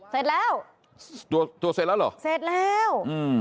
เสร็จแล้วตัวตัวเสร็จแล้วเหรอเสร็จแล้วอืม